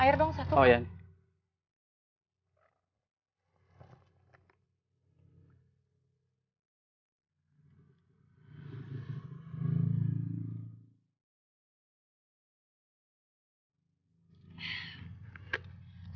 air dong satu